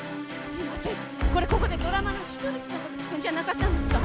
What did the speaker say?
これここでドラマの視聴率の事聞くんじゃなかったんですか？